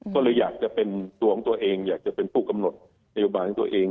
ก็เลยอยากจะเป็นตัวของตัวเองอยากจะเป็นผู้กำหนดนโยบายของตัวเอง